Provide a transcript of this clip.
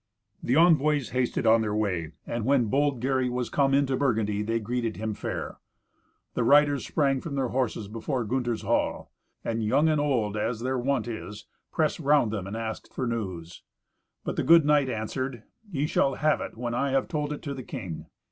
The envoys hasted on their way, and when bold Gary was come into Burgundy, they greeted him fair. The riders sprang from their horses before Gunther's hall. And young and old, as their wont is, pressed round them and asked for news. But the good knight answered, "Ye shall have it when I have told it to the king."